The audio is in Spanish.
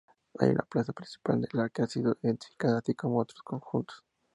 Hay una plaza principal que ha sido identificada, así como otros conjuntos.